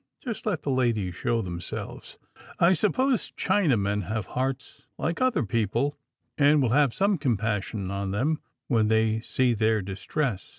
Just let the ladies show themselves. I suppose Chinamen have hearts like other people, and will have some compassion on them, when they see their distress."